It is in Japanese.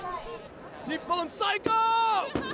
日本最高！